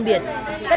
để dễ phân biệt